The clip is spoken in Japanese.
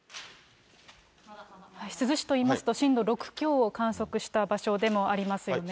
珠洲市といいますと、震度６強を観測した場所でもありますよね。